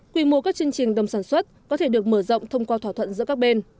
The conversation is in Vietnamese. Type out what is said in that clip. quy mô các chương trình đồng sản xuất có thể được mở rộng thông qua thỏa thuận giữa các bên